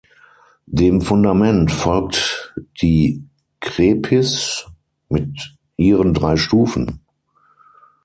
Dem Fundament folgt die Krepis mit ihren drei Stufen.